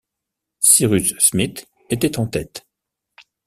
Cyrus Smith était en tête.